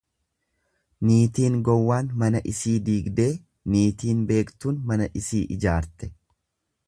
Niitiin gowwaan mana isii diigdee niitiin beektuun mana isii ijaarte.